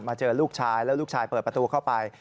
เจอลูกชายแล้วลูกชายเปิดประตูเข้าไป